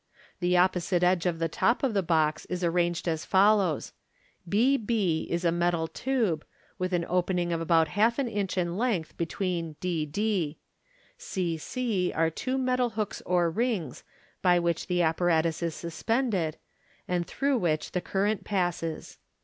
The opposite edge of the top of the box is arranged as follows : b b is a metal tube, with an opening of about half an inch in length between d d ; c c are two metal hooks or rings by which the apparatus is suspended, and through which the current passes.